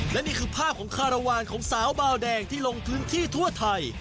และนี่คือภาพของคารวาลของสาวบาวแดงที่ลงพื้นที่ทั่วไทย